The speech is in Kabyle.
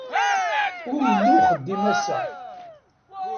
Ur yelli uxeddim ass-a